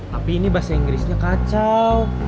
tapi ini bahasa inggrisnya kacau